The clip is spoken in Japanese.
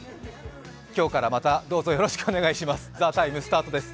今日からまたどうぞよろしくお願いします。